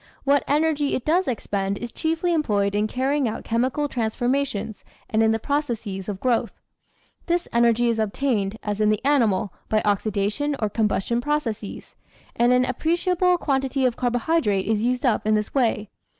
What energy it does expend is chiefly employed in carrying out chemical transforma tions and in the processes of growth. This energy is obtained, as in the animal, by oxidation or combustion processes, and an ap preciable quantity of carbohydrate is used up in this way.